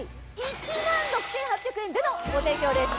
１万６８００円でのご提供です。